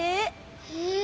へえ。